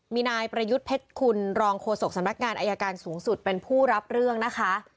มีนายประยุทธ์เพชรคุณรองโฆษกสำนักงานอายการสูงสุดเป็นผู้รับเรื่องนะคะ